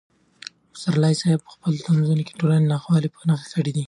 پسرلي صاحب په خپلو طنزونو کې د ټولنې ناخوالې په نښه کړې دي.